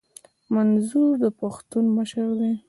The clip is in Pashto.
منظور د پښتنو مشر دي